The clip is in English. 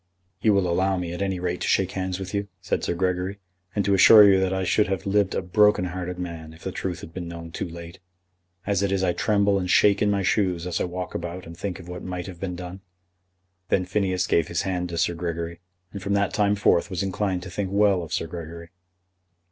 "You will allow me, at any rate, to shake hands with you," said Sir Gregory, "and to assure you that I should have lived a broken hearted man if the truth had been known too late. As it is I tremble and shake in my shoes as I walk about and think of what might have been done." Then Phineas gave his hand to Sir Gregory, and from that time forth was inclined to think well of Sir Gregory.